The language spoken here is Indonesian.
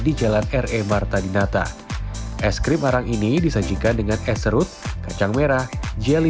di jalan re marta dinata es krim arang ini disajikan dengan es serut kacang merah jelly